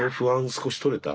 少し取れた？